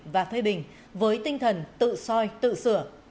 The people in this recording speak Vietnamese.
và phê bình với tinh thần tự soi tự sửa